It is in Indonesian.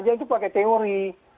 itu aja pakai teori